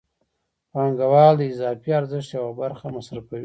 پانګوال د اضافي ارزښت یوه برخه مصرفوي